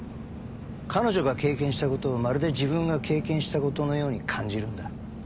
彼女が経験したことをまるで自分が経験したことのように感じるんだ。